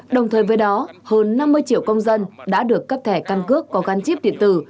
đồng thời với đó hơn năm mươi triệu công dân đã được cấp thẻ căn cước có gắn chip điện tử